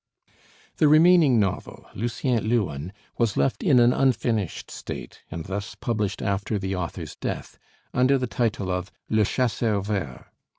The remaining novel, 'Lucien Leuwen,' was left in an unfinished state, and thus published after the author's death, under the title of 'Le Chasseur Vert.'